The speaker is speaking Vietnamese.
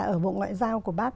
ở bộ ngoại giao của bác